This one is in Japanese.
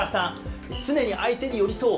「常に相手に寄りそう」